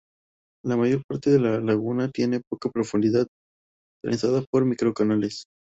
La mayor parte de la laguna tiene poca profundidad, trenzada por micro canales.